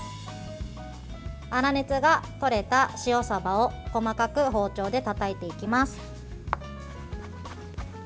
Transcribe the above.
粗熱がとれた塩さばを細かく包丁でたたいていきます。